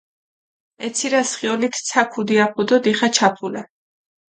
ე ცირასჷ ხიოლით ცა ქუდი აფუ დო დიხა ჩაფულა.